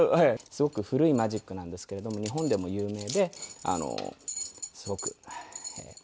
すごく古いマジックなんですけれども日本でも有名ですごくクラシックなマジックです。